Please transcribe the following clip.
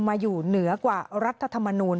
อยู่เหนือกว่ารัฐธรรมนูล